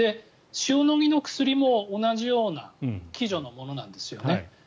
塩野義の薬も同じような機序のものなんですよね。